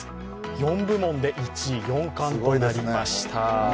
４部門で１位、４冠となりました。